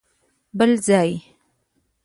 بل ځای؟!